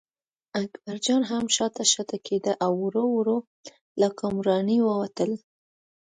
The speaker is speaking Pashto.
اکبرجان هم شاته شاته کېده او ورو ورو له حکمرانۍ ووتل.